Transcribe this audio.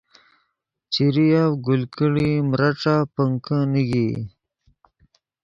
چیریف گل کڑیئی میرݯف پنکے نیگئی